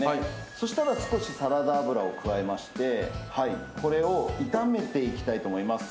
そうしたらサラダ油を加えていただいてこれを炒めていきたいと思います。